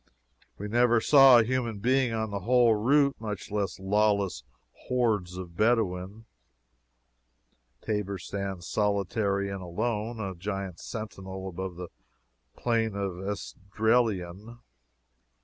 We never saw a human being on the whole route, much less lawless hordes of Bedouins. Tabor stands solitary and alone, a giant sentinel above the Plain of Esdraelon.